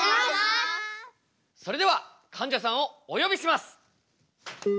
それではかんじゃさんをお呼びします。